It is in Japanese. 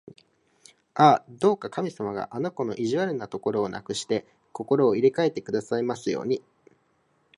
ああ、どうか神様があの子の意地悪なところをなくして、心を入れかえてくださいますように！